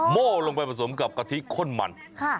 โม่ลงไปผสมกับกะทิข้นมัน